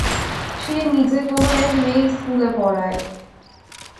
সে নিজে কোনো এক মেয়ে-স্কুলে পড়ায়।